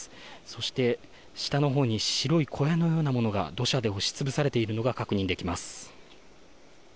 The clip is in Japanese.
そして、下のほうに白い小屋のようなものが土砂で押し潰されているのが確認できます。